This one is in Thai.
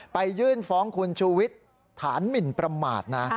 ยื่นฟ้องคุณชูวิทย์ฐานหมินประมาทนะ